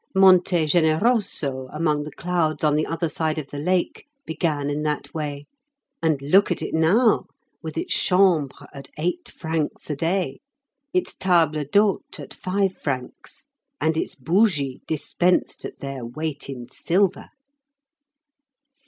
Monte Generoso, among the clouds on the other side of the lake, began in that way; and look at it now with its chambres at eight francs a day, its table d'hote at five francs, and its bougies dispensed at their weight in silver!